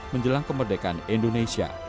menjelang kemerdekaan indonesia